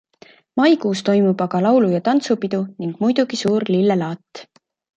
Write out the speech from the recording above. Maikuus toimub aga laulu- ja tantsupidu ning muidugi suur lillelaat.